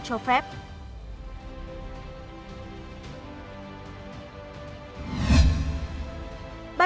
có trở khách vào việt nam theo bốn giai đoạn